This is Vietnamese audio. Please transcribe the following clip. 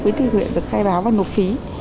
với thị huyện được khai báo và nộp phí